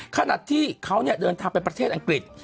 ขณะที่เขาเดินทางไปประเทศอังกฤษ